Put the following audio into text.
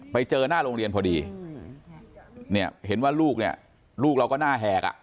ไปเจอหน้าโรงเรียนพอดีเห็นว่าลูกเราก็หน้าแหก